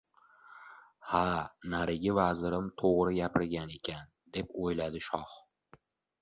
“Ha, narigi vazirim toʻgʻri gapirgan ekan”, deb oʻyladi shoh.